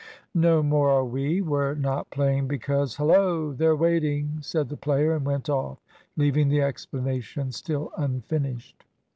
"No more are we; we're not playing because " "Hullo! they're waiting," said the player, and went off, leaving the explanation still unfinished.